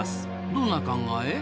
どんな考え？